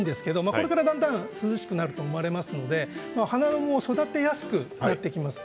これから涼しくなると思いますので花を育てやすくなっています。